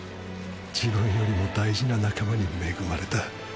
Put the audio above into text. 自分よりも大事な仲間に恵まれた